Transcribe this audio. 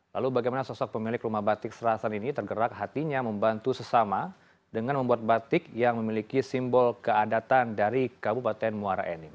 lalu bagaimana sosok pemilik rumah batik serasan ini tergerak hatinya membantu sesama dengan membuat batik yang memiliki simbol keandatan dari kabupaten muara enim